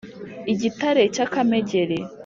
i gitare cya kamegeri